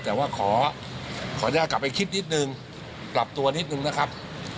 แต่ว่าขออนุญาตกลับไปคิดนิดนึงปรับตัวนิดนึงนะครับ